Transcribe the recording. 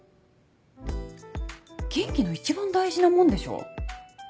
元気の一番大事なもんでしょ